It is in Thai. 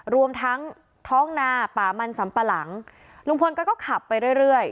รวมทั้งท้องนาป่ามันสำปะหลังลุงพลก็ขับไปเรื่อย